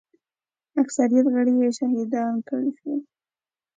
اکثریت غړي یې شهیدان کړای شول.